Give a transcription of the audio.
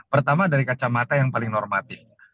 pertama dari kacamata yang paling normatif